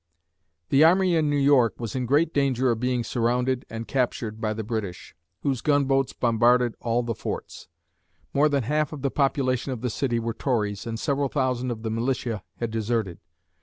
The army in New York was in great danger of being surrounded and captured by the British, whose gunboats bombarded all the forts. More than half of the population of the city were Tories and several thousand of the militia had deserted.